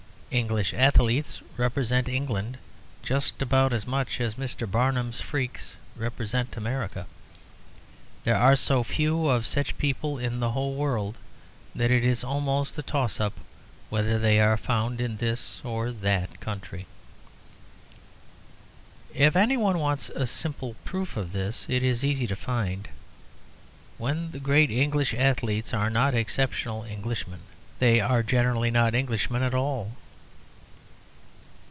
English athletes represent England just about as much as Mr. Barnum's freaks represent America. There are so few of such people in the whole world that it is almost a toss up whether they are found in this or that country. If any one wants a simple proof of this, it is easy to find. When the great English athletes are not exceptional Englishmen they are generally not Englishmen at all.